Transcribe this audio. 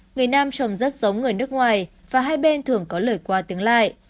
người nam trồng rất giống người nước ngoài và hai bên thường có lời qua tiếng lại